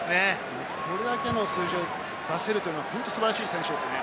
これだけの数字を出せるというのは本当に素晴らしい選手ですね。